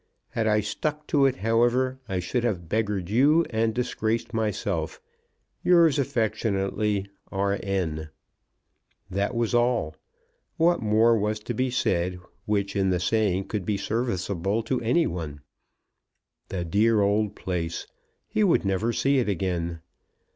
Had I stuck to it, however, I should have beggared you and disgraced myself. Yours affectionately, R. N." That was all. What more was to be said which, in the saying, could be serviceable to any one? The dear old place! He would never see it again.